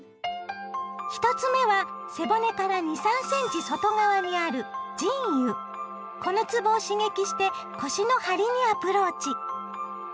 １つ目は背骨から２３センチ外側にあるこのつぼを刺激して腰の張りにアプローチ。